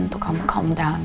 untuk kamu tenangkan diri